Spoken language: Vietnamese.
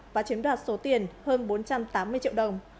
và chiếm đoạt số tiền hơn bốn trăm tám mươi triệu đồng